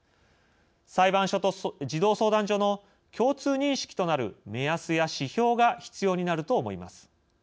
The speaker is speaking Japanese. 裁判所と児童相談所の共通認識となる目安や指標が必要になると思います。